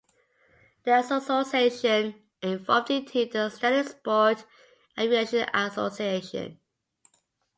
The association evolved into the Stanley Sport Aviation Association.